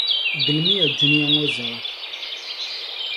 Gilimiya dunia ŋɔ zaa!